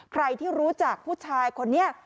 ใครที่รู้จักผู้ชายคนนี้